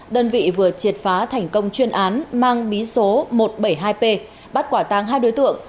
đơn vị vừa triệt phá thành công chuyên án mang bí số một trăm bảy mươi hai p bắt quả tàng hai đối tượng